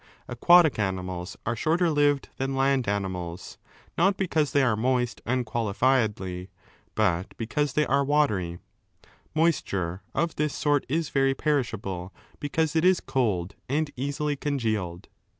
II Aquatic animals are shorter lived than land animals, not because they are moist unqualifiedly, but because they 467 a are watery. Moisture of this sort is very perishable, because it is cold and easily congealed.